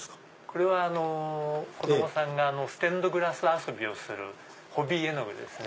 これは子供さんがステンドグラス遊びをするホビー絵の具ですね。